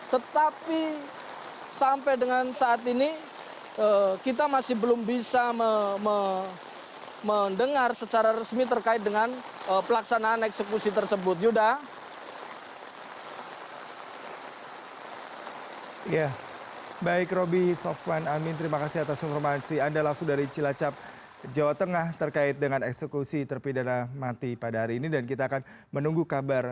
tetapi sampai dengan saat ini kita masih belum bisa mendengar secara resmi terkait dengan pelaksanaan eksekusi tersebut